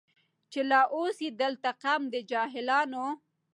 چي لا اوسي دلته قوم د جاهلانو